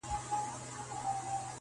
مرور له پلاره ولاړی په غصه سو.